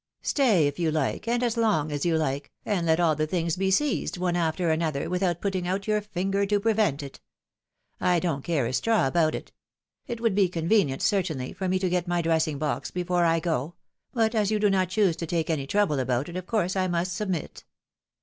Stay, if you like, and as long as you like, and let all the things be seized One after another, without put ting out your finger to prevent it. I don't care a straw about it. It would be convenient, certainly, for me to get my dres sing box before I go, but as you do not choose to take any trouble about it, of course I must submit.